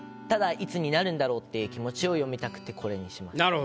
ただいつになるんだろうっていう気持ちを詠みたくてこれにしました。